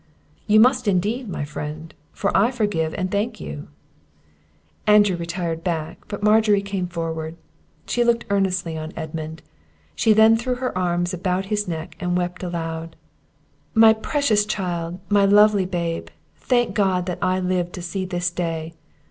"You must indeed, my friend; for I forgive and thank you." Andrew retired back, but Margery came forward; she looked earnestly on Edmund, she then threw her arms about his neck, and wept aloud. "My precious child! my lovely babe! thank God, I have lived to see this day!